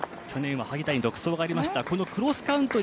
去年は萩谷の独走がありました。